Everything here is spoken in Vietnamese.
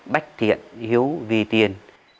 bách thiện hiếu vi tiên